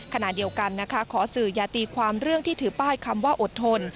ขณะเดียวกันนะคะขอสื่ออย่าตีความเรื่องที่ถือป้ายคำว่าอดทน